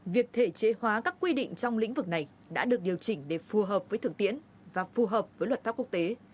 việc thể chế hóa các quy định trong lĩnh vực này đã được điều chỉnh để phù hợp với thực tiễn và phù hợp với luật pháp quốc tế